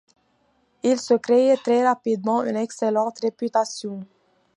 Il se crée très rapidement une excellente réputation.